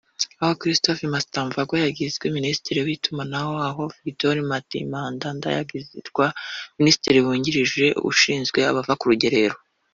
aho Christopher Mutsvangwa yagizwe Minisitiri w’Itumanaho naho Victor Matemadanda agirwa Minisitiri wungirije ushinzwe abavuye ku rugerero